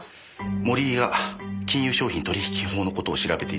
森井が金融商品取引法の事を調べていたのは明白です。